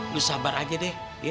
lu sabar aja deh